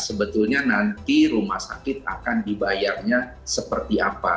sebetulnya nanti rumah sakit akan dibayarnya seperti apa